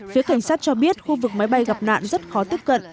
phía cảnh sát cho biết khu vực máy bay gặp nạn rất khó tiếp cận